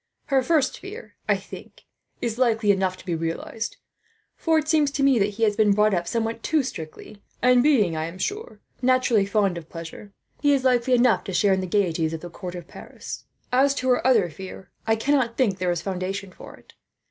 Her first fear, I think, is likely enough to be realized; for it seems to me that he has been brought up somewhat too strictly, and being, I am sure, naturally fond of pleasure, he is likely enough to share in the gaieties of the court of Paris. As to her other fear, I cannot think there is foundation for it.